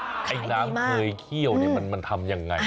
ไอ้น้ำเคยเคี่ยวนี่มันทำยังไง